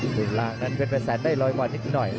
กลุ่นล่างนั้นเกือบไปแสนได้รอยกว่านิดหน่อย